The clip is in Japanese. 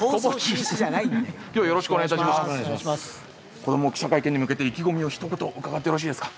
「子ども記者会見」に向けて意気込みをひと言伺ってよろしいですか？